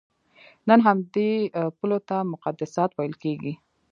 نن همدې پولو ته مقدسات ویل کېږي.